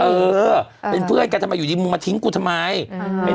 เออเป็นเพื่อนกันทำไมอยู่ดีมึงมาทิ้งกูทำไม